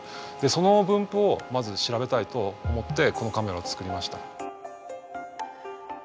その分布をまず調べたいと思ってこのカメラを作りました。